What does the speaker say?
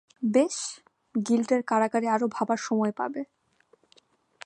বেশ, গিল্ডের কারাগারে আরো ভাবার সময় পাবে।